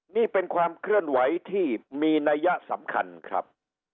นี่เป็นความเคลื่อนไหวที่มีนัยสำคัญครับ